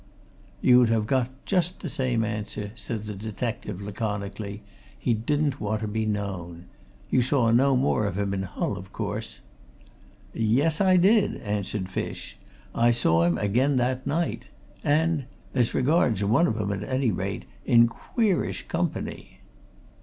"You'd have got just the same answer," said the detective laconically. "He didn't want to be known. You saw no more of him in Hull, of course " "Yes, I did," answered Fish. "I saw him again that night. And as regards one of 'em at any rate, in queerish company."